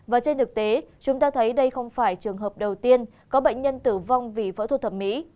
và trên thực tế chúng ta thấy đây không phải trường hợp đầu tiên có bệnh nhân tử vong vì võ thuật thẩm mỹ